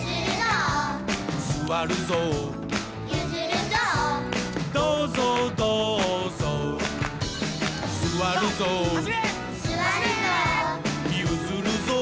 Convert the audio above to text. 「すわるぞう」「どうぞうどうぞう」「すわるぞう」「ゆずるぞう」